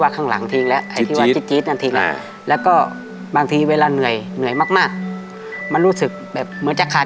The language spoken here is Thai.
คือตามมาที่หลังทำลาย